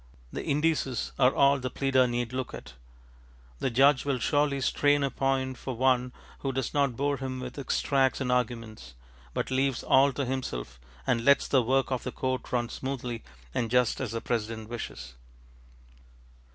ŌĆØ The indices are all the pleader need look at. The judge will surely strain a point for one who does not bore him with extracts and arguments, but leaves all to himself, and lets the work of the court run smoothly and just as the president wishes.